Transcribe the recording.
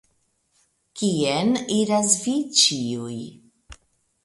Kien iras vi ĉiuj?